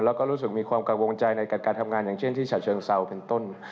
แล้วก็รู้สึกมีความกังวลใจในการทำงานอย่างเช่นที่ฉะเชิงเซาเป็นต้น